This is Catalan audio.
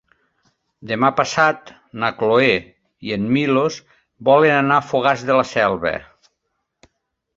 Demà passat na Cloè i en Milos volen anar a Fogars de la Selva.